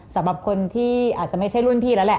สำหรับคนที่อาจจะไม่ใช่รุ่นพี่แล้วแหละ